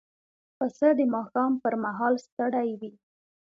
پسه د ماښام پر مهال ستړی وي.